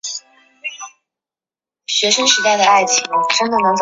它常用于电镀。